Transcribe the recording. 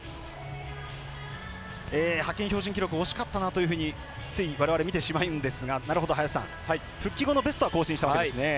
派遣標準記録惜しかったなというふうについ、われわれ見てしまうんですが復帰後のベストは更新したわけですね。